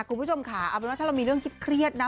คุณผู้ชมค่ะเอาเป็นว่าถ้าเรามีเรื่องเครียดนะ